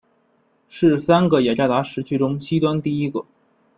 是三个雅加达时区中西端第一个。